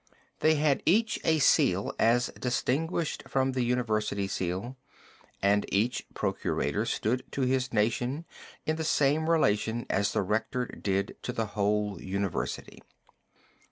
They had each a seal as distinguished from the university seal, and each procurator stood to his "nation" in the same relation as the Rector did to the whole university.